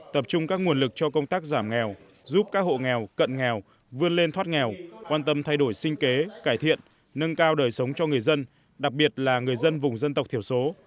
tập trung các nguồn lực cho công tác giảm nghèo giúp các hộ nghèo cận nghèo vươn lên thoát nghèo quan tâm thay đổi sinh kế cải thiện nâng cao đời sống cho người dân đặc biệt là người dân vùng dân tộc thiểu số